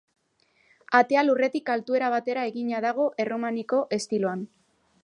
Atea lurretik altuera batera egina dago erromaniko estiloan.